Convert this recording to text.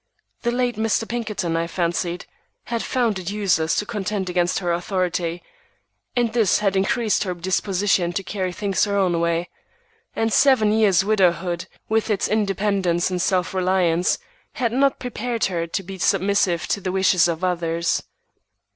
The late Mr. Pinkerton, I fancied, had found it useless to contend against her authority, and this had increased her disposition to carry things her own way; and her seven years' widowhood, with its independence and self reliance, had not prepared her to be submissive to the wishes of others.